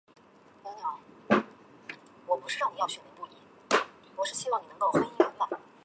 仙人掌花园是培养和展示多种类型仙人掌的花园。